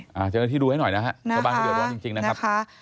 เจ้าหน้าที่ให้ดูให้หน่อยบางเรือบ่อยจริงนะครับ